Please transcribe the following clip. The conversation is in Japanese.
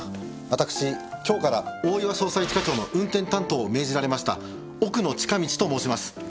私今日から大岩捜査一課長の運転担当を命じられました奥野親道と申します。